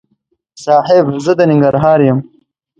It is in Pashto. صاحب! زه د ننګرهار یم.